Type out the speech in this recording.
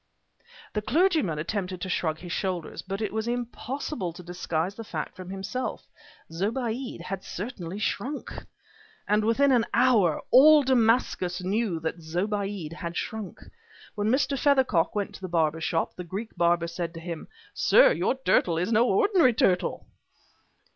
The clergyman attempted to shrug his shoulders, but it was impossible to disguise the fact from himself Zobéide had certainly shrunk! And within an hour all Damascus knew that Zobéide had shrunk. When Mr. Feathercock went to the barber shop the Greek barber said to him, "Sir, your turtle is no ordinary turtle!"